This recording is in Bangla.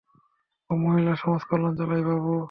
ও মহিলা সমাজ কল্যাণ চালায়, বাবু।